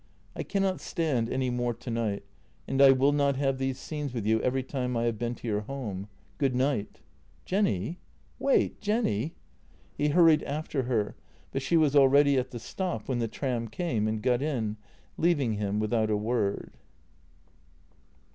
" I cannot stand any more tonight, and I will not have these scenes with you every time I have been to your home. Good night." "Jenny! Wait! Jenny! ..." He hurried after her, but she was already at the stop when the tram came, and got in, leaving him without a word.